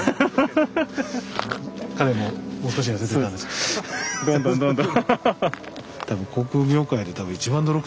どんどんどんどん。